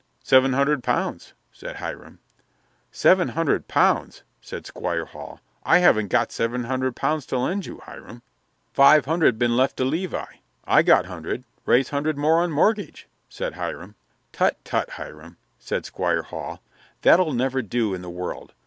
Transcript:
"Seven hundred pounds," said Hiram. "Seven hundred pounds!" said Squire Hall. "I haven't got seven hundred pounds to lend you, Hiram." "Five hundred been left to Levi I got hundred raise hundred more on mortgage," said Hiram. "Tut, tut, Hiram," said Squire Hall, "that'll never do in the world.